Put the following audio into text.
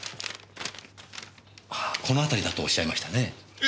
この辺りだとおっしゃいましたねえ？